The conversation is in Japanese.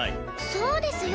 そうですよ。